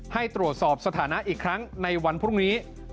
ให้ตรวจสอบสถานะอีกครั้งในวันพรุ่งนี้